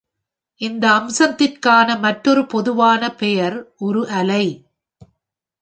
இந்த அம்சத்திற்கான மற்றொரு பொதுவான பெயர் ஒரு அலை.